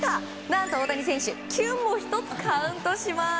何と大谷選手キュンも１つカウントします。